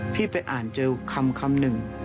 ไปอ่านเจอคำหนึ่ง